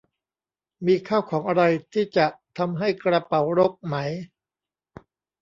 มีข้าวของอะไรที่จะทำให้กระเป๋ารกไหม